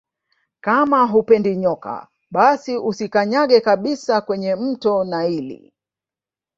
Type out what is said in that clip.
Kama hupendi nyoka basi usikanyage kabisa kwenye mto naili